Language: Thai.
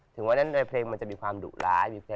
ถึงว่าในเพลงมันจะมีความดุร้าย